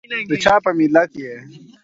دچا په ملت یي؟